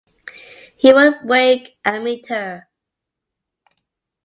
He would wake and meet her.